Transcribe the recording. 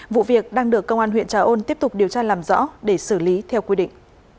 vụ việc đang được công an huyện trà ôn tiếp tục điều tra làm rõ để xử lý theo quy định